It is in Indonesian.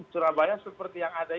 surabaya seperti yang ada